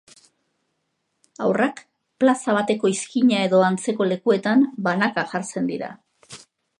Haurrak plaza bateko izkina edo antzeko lekuetan banaka jartzen dira.